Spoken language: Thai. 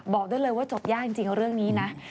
บอกได้เลยว่าจบยากจริงเรื่องนี้นะ